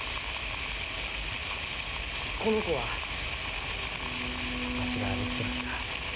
あこの子はわしが見つけました。